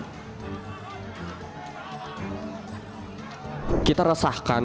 pertama di mana kita bisa mendapatkan uang